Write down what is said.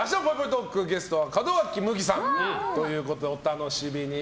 トークゲストは門脇麦さんということでお楽しみに。